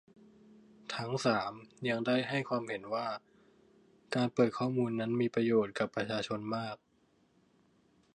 ทั้ง สาม ยังได้ให้ความเห็นว่า การเปิดข้อมูลนั้นมีประโยชน์ กับ ประชาชนมาก